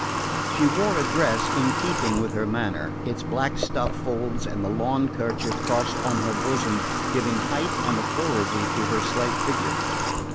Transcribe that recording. She wore a dress in keeping with her manner, its black stuff folds and the lawn kerchief crossed on her bosom giving height and authority to her slight figure.